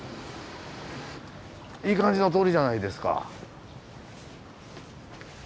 いい感じの通りじゃないですか。